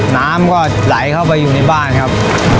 น้ำก็ไหลเข้าไปอยู่ในบ้านครับ